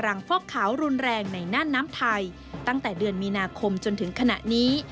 ฟอกขาวรุนแรงในน่านน้ำไทยตั้งแต่เดือนมีนาคมจนถึงขณะนี้